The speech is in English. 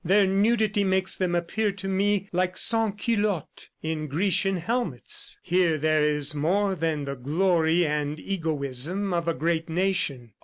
Their nudity makes them appear to me like sans culottes in Grecian helmets. ... Here there is more than the glory and egoism of a great nation.